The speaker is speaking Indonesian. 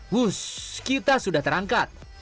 wusss kita sudah terangkat